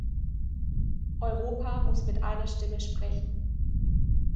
Europa muss mit einer Stimme sprechen.